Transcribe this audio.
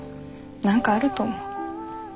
何かあると思う。